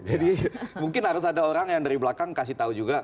jadi mungkin harus ada orang yang dari belakang kasih tahu juga